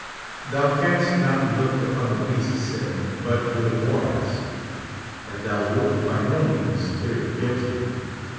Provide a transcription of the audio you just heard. Thou canst not look upon the least sin but with abhorrence, and thou wilt by no means clear the guilty.